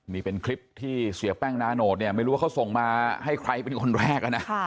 นี่เป็นคลิปที่เสียแป้งนาโนตเนี่ยไม่รู้ว่าเขาส่งมาให้ใครเป็นคนแรกนะ